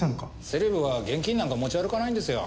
セレブは現金なんか持ち歩かないんですよ。